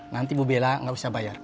nanti ibu bella nggak usah bayar